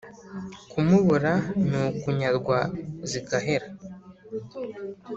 kumubura ni ukunyarwa zigahera